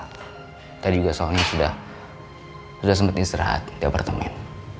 tadi juga soalnya sudah sempat istirahat di apartemen